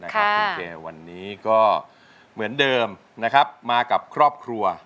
คุณเจวันนี้ก็เหมือนเดิมนะครับมากับครอบครัว